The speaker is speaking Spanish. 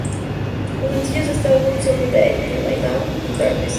Los sencillos de este álbum, son The Day y Lie Down In Darkness.